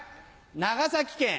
長崎県！